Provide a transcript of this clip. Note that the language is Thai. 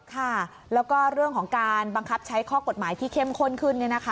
ค่ะแล้วก็เรื่องของการบังคับใช้ข้อกฎหมายที่เข้มข้นขึ้น